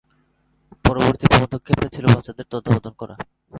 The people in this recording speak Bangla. পরবর্তী পদক্ষেপটা ছিল বাচ্চাদের তত্ত্বাবধান করা।